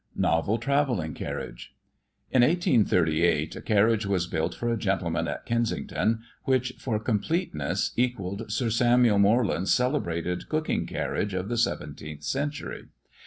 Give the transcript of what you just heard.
NOVEL TRAVELLING CARRIAGE. In 1838, a carriage was built for a gentleman at Kensington, which, for completeness, equalled Sir Samuel Morland's celebrated cooking carriage, of the seventeenth century.